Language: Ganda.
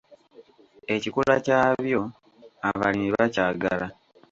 Ekikula kyabyo abalimi bakyagala.